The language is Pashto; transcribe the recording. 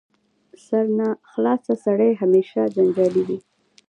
سرناخلاصه سړی همېشه جنجالي وي.